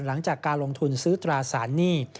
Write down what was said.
หลังจากการลงทุนซื้อตราสารหนี้